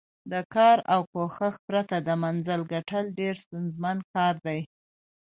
د کار او کوښښ پرته د منزل ګټل ډېر ستونزمن کار دی.